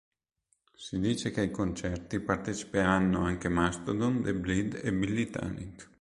Si dice che ai concerti parteciperanno anche Mastodon, The Bled e Billy Talent.